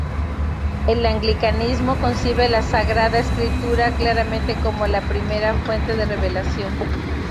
El anglicanismo concibe la Sagrada Escritura claramente como la primera fuente de revelación.